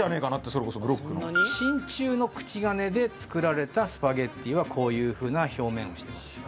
真鍮の口金で作られたスパゲティはこういうふうな表面をしてます。